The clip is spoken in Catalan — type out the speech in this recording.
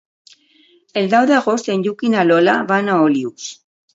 El deu d'agost en Lluc i na Lola van a Olius.